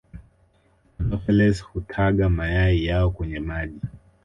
Anopheles hutaga mayai yao kwenye maji